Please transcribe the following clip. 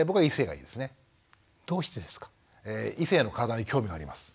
異性の体に興味があります。